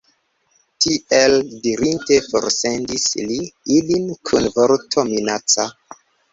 Tiel dirinte, forsendis li ilin kun vorto minaca.